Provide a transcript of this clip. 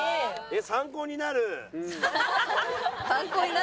「参考になる」？